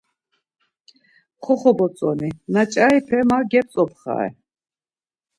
Koxobotzoni, na ç̌aripe ma gep̌tzopxare.